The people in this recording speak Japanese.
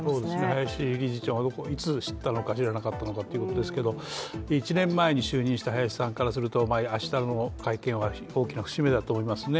林理事長がいつ知ったのか知らなかったかということですが１年前に就任した林さんからすると明日の会見は大きな節目だと思いますね。